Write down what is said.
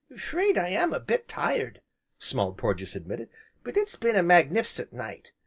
"'Fraid I am a bit tired," Small Porges admitted, "but it's been a magnif'cent night.